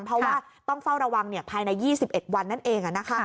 เพราะว่าต้องเฝ้าระวังภายใน๒๑วันนั่นเอง